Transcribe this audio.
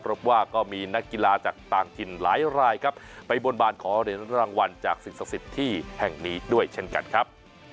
พบว่าก็มีนักกีฬาจากต่างถิ่นหลายรายครับไปบนบานขอเหรียญรางวัลจากสิ่งศักดิ์สิทธิ์ที่แห่งนี้ด้วยเช่นกันครับ